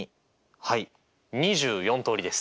はい２４通りです。